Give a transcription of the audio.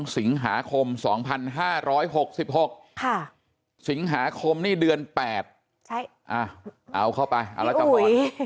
สิงหาคม๒๕๖๖สิงหาคมนี่เดือน๘เอาเข้าไปเอาแล้วจะหมด